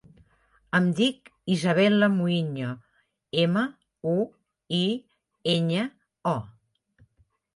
Em dic Isabella Muiño: ema, u, i, enya, o.